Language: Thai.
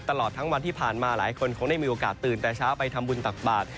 ตลอดทั้งวันที่ผ่านมาหลายคนคงได้มีโอกาสตื่นแต่เช้าไปทำบุญตักบาท